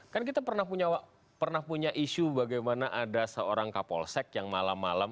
kan kita pernah punya isu bagaimana ada seorang kapolsek yang malam malam